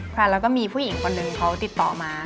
ค่ะแล้วก็มีผู้หญิงคนหนึ่งเขาติดต่อมา